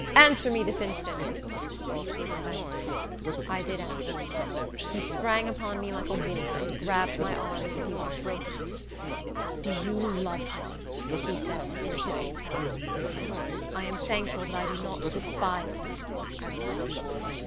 "Answer me this instant!" he exclaimed. I did answer. He sprang upon me like a wolf, and grabbed my arm as if he would have broken it. "Do you love him?" said he, in a hissing tone. "I am thankful that I do not despise him," I replied.